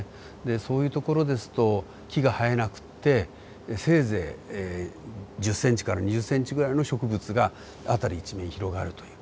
そういう所ですと木が生えなくてせいぜい１０センチから２０センチぐらいの植物が辺り一面広がるという。